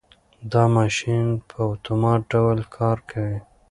دا ماشین په اتومات ډول کار کوي.